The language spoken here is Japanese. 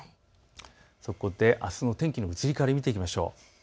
そこであすの天気の移り変わりを見ていきましょう。